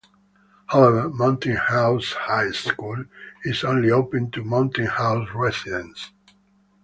However, Mountain House High School is only open to Mountain House residents.